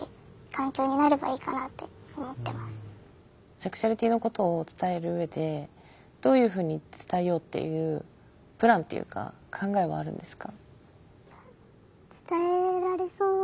セクシュアリティーのことを伝える上でどういうふうに伝えようっていうプランっていうか考えはあるんですか？